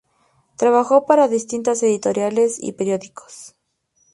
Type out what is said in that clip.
Trabajó para distintas editoriales y periódicos.